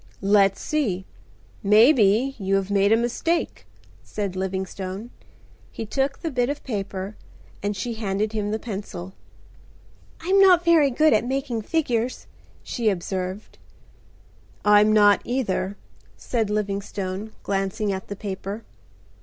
"Let's see. Maybe, you have made a mistake," said Livingstone. He took the bit of paper and she handed him the pencil. "I'm not very good at making figures," she observed. "I'm not either," said Livingstone, glancing at the paper.